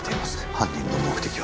犯人の目的は。